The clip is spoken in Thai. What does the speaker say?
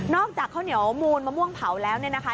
อกจากข้าวเหนียวมูลมะม่วงเผาแล้วเนี่ยนะคะ